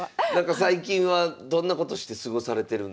最近はどんなことして過ごされてるんでしょうか。